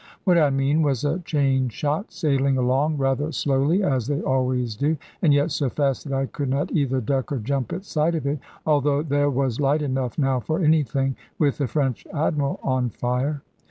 What I mean was a chain shot sailing along, rather slowly as they always do; and yet so fast that I could not either duck or jump at sight of it, although there was light enough now for anything, with the French Admiral on fire.